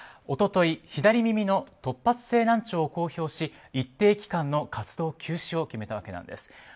一昨日左耳の突発性難聴を公表し一定期間の活動休止を決めたわけなんです。